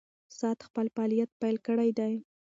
ساعت خپل فعالیت پیل کړی دی.